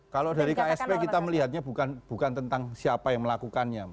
kalau dari ksp kita melihatnya bukan tentang siapa yang melakukannya